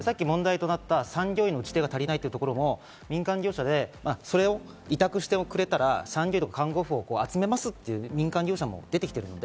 産業医の打ち手が足りないというところも民間業者でそれを委託してくれたら、産業医と看護士を集めますという民間業者も出てきている。